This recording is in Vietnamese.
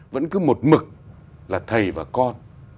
vẫn cứ một mực là thầy và con